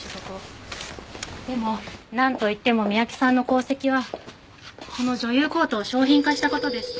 でもなんといっても三宅さんの功績はこの女優コートを商品化した事です。